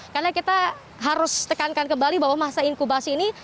karena kita harus tekankan kembali bahwa masa inkubasi ini